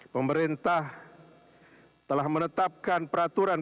pemerintah telah menetapkan peraturan